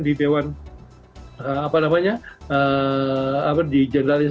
di dewan apa namanya di generalis